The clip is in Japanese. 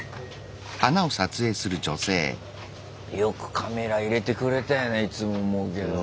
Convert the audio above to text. よくカメラ入れてくれたよねいつも思うけど。